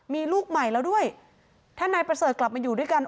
มีลูกใหม่แล้วด้วยถ้านายประเสริฐกลับมาอยู่ด้วยกัน